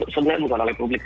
sebenarnya bukan oleh publik ya